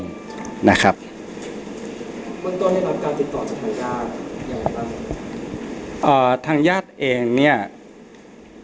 บริษัทหนึ่งการติดต่อจากภายการยังไงบ้าง